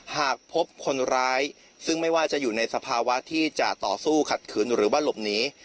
หากพบคนร้ายซึ่งไม่ว่าจะอยู่ในสภาวะที่จะต่อสู้ขัดขืนหรือว่าหลบหนี